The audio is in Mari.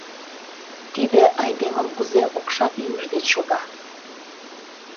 — Тиде айдемын кузе окшак лиймыж деч шога